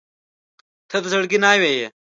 • ته د زړګي ناوې یې.